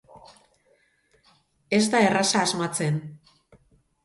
Ez da erraza asmatzen.